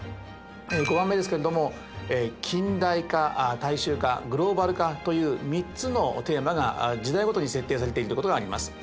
５番目ですけれども近代化大衆化グローバル化という３つのテーマが時代ごとに設定されているということがあります。